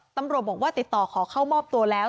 ตำรวจบอกว่าติดต่อขอเข้ามอบตัวแล้ว